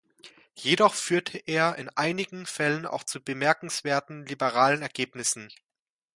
Jedoch führte er in einigen Fällen auch zu bemerkenswert liberalen Ergebnissen.